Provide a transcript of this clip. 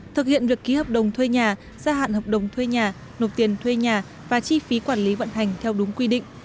thực hiện việc ký hợp đồng thuê nhà gia hạn hợp đồng thuê nhà nộp tiền thuê nhà và chi phí quản lý vận hành theo đúng quy định